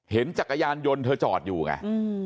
จักรยานยนต์เธอจอดอยู่ไง